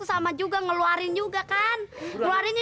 sama juga ngeluarin juga kan ngeluarinnya